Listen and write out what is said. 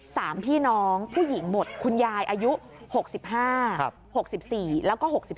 สามพี่น้องผู้หญิงหมดคุณยายอายุ๖๕๖๔แล้วก็๖๔